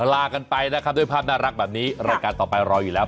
ลากันไปนะครับด้วยภาพน่ารักแบบนี้รายการต่อไปรออยู่แล้ว